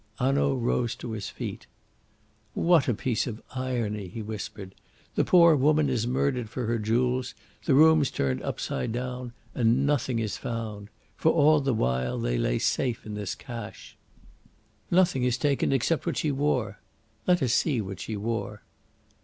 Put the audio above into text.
Hanaud rose to his feet. "What a piece of irony!" he whispered. "The poor woman is murdered for her jewels, the room's turned upside down, and nothing is found. For all the while they lay safe in this cache. Nothing is taken except what she wore. Let us see what she wore."